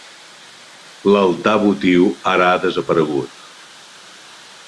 L'altar votiu ara ha desaparegut.